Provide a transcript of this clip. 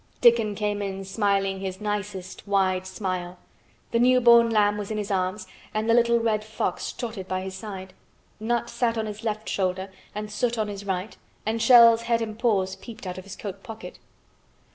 Dickon came in smiling his nicest wide smile. The new born lamb was in his arms and the little red fox trotted by his side. Nut sat on his left shoulder and Soot on his right and Shell's head and paws peeped out of his coat pocket.